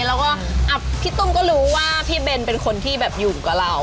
และพี่ตุ้มก็รู้พี่เบนเป็นคนที่อยู่กับเรา